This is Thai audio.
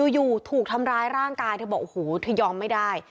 อยู่ถูกทำร้ายร่างกายเธอบอกโอ้โหเธอยอมไม่ได้